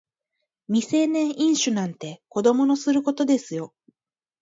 未成年飲酒なんて子供のすることですよ